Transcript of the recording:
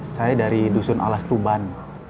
saya dari dusun alas tuban